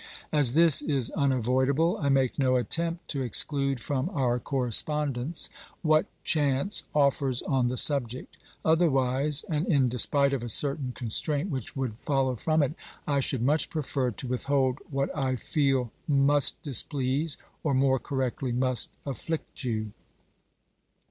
As this is unavoidable, I make no attempt to exclude from our correspondence what chance offers on the subject; otherwise, and in despite of a certain constraint which would follow from it, I should much prefer to with hold what I feel must displease, or, more correctly, must afflict you.